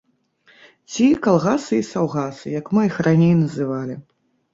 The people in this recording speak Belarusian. Ці калгасы і саўгасы, як мы іх раней называлі.